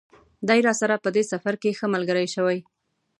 دی راسره په دې سفر کې ښه ملګری شوی.